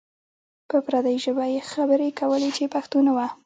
په پردۍ ژبه یې خبرې کولې چې پښتو نه وه.